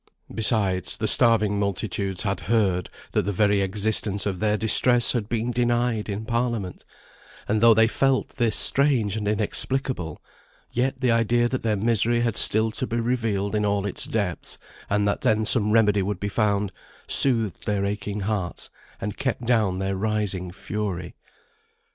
Besides, the starving multitudes had heard, that the very existence of their distress had been denied in Parliament; and though they felt this strange and inexplicable, yet the idea that their misery had still to be revealed in all its depths, and that then some remedy would be found, soothed their aching hearts, and kept down their rising fury.